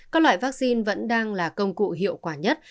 các loại vaccine vẫn đang là công cụ hiệu quả nhất